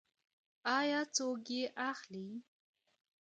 آیا څوک یې اخلي؟